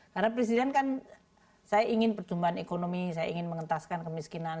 karena presiden kan saya ingin pertumbuhan ekonomi saya ingin mengentaskan kemiskinan